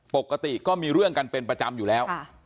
ปกติก็มีเรื่องกันเป็นประจำอยู่แล้ว